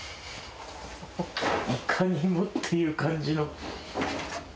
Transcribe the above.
いかにもっていう感じの。